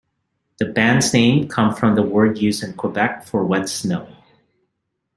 The band's name comes from the word used in Quebec for wet snow.